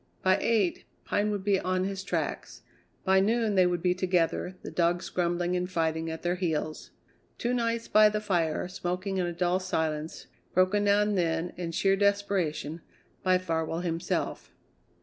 By eight Pine would be on his tracks; by noon they would be together, the dogs grumbling and fighting at their heels. Two nights by the fire, smoking in a dull silence, broken now and then, in sheer desperation, by Farwell himself.